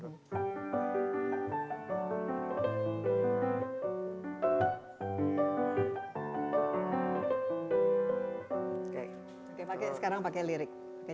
oke sekarang pakai lirik